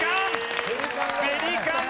ペリカン！